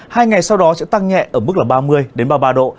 hai ngày sau đó sẽ tăng nhẹ ở mức là ba mươi ba mươi ba độ